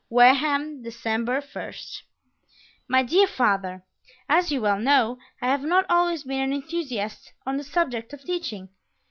Wareham, December 1st My Dear Father, As you well know, I have not always been an enthusiast on the subject of teaching.